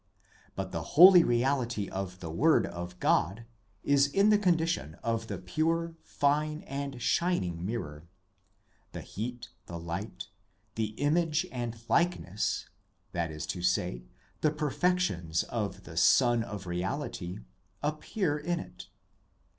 But the Holy Reality of the Word of God is in the condition of the pure, fine, and shining mirror; the heat, the light, the image and likeness, that is to say the perfections of the Sun of Reality, appear in it.